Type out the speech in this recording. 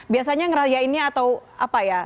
biasanya ngerayainnya atau apa ya